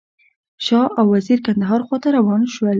شاه او وزیر کندهار خواته روان شول.